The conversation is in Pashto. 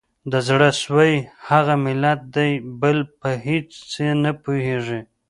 د زړه سوي هغه ملت دی بل په هیڅ چي نه پوهیږي